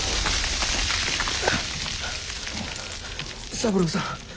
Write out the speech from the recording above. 三郎さん。